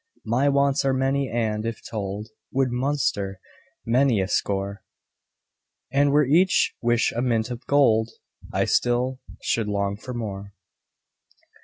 My wants are many and, if told, Would muster many a score; And were each wish a mint of gold, I still should long for more.